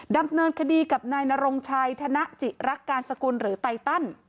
ดำเนินคดีกับนายนรงชัยธนจิรักการสกุลหรือไตตัน